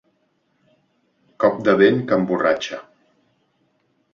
Cop de vent que emborratxa.